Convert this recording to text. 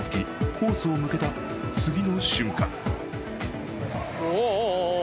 ホースを向けた次の瞬間。